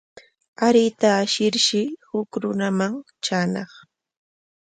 Aruyta ashirshi huk runaman traañaq.